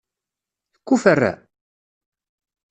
Tekuferra?